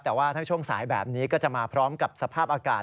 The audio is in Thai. แต่ว่าถ้าช่วงสายแบบนี้ก็จะมาพร้อมกับสภาพอากาศ